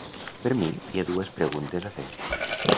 Per mi, hi ha dues preguntes a fer.